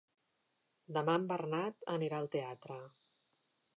Demà en Bernat anirà al teatre.